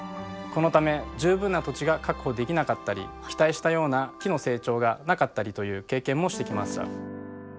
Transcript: このため十分な土地が確保できなかったり期待したような木の成長がなかったりという経験もしてきました。